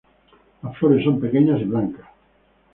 Las flores son pequeñas y blancas.